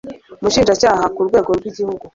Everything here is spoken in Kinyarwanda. Umushinjacyaha ku Rwego rw Igihugu